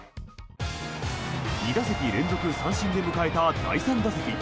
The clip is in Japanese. ２打席連続三振で迎えた第３打席。